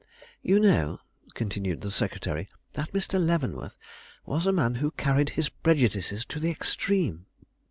"You know," continued the secretary, "that Mr. Leavenworth was a man who carried his prejudices to the extreme.